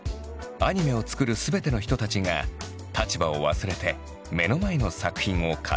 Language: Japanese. アニメをつくるすべての人たちが立場を忘れて目の前の作品を語り合う。